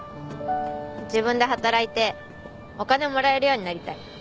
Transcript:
自分で働いてお金もらえるようになりたい。